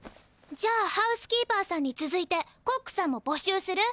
じゃあハウスキーパーさんにつづいてコックさんも募集する？